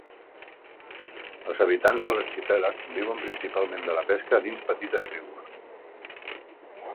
Els habitants de l'arxipèlag viuen principalment de la pesca dins petites tribus.